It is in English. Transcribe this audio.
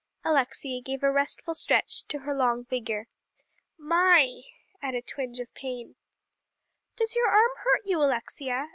Alexia gave a restful stretch to her long figure. "My!" at a twinge of pain. "Does your arm hurt you, Alexia?"